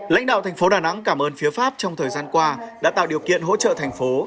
lãnh đạo thành phố đà nẵng cảm ơn phía pháp trong thời gian qua đã tạo điều kiện hỗ trợ thành phố